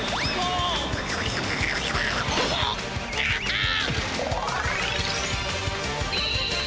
ああ！